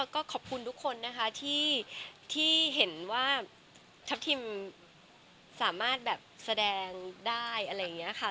ก็ขอบคุณทุกคนนะคะที่เห็นว่าทัพทิมสามารถแบบแสดงได้อะไรอย่างนี้ค่ะ